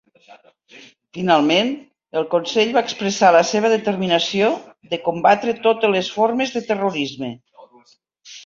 Finalment, el Consell va expressar la seva determinació de combatre totes les formes de terrorisme.